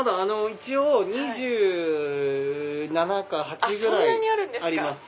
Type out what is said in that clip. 一応２７か２８ぐらいあります。